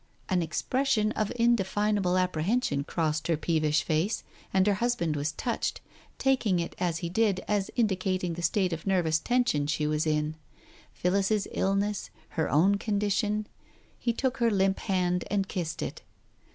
..." An expression of indefinable apprehension crossed her peevish face, and her husband was touched, taking it, as he did, as indicating the state of nervous tension she was in. Phillis's illness — her own condition He took her limp hand and kissed it.